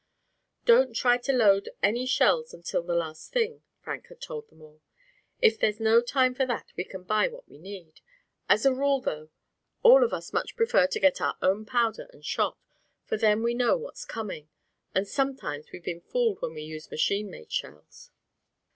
"Don't try to load any shells until the last thing," Frank had told them all. "If there's no time for that, we can buy what we want. As a rule, though, all of us much prefer to get our own powder and shot, for then we know what's coming; and sometimes we've been fooled when we used machine made shells."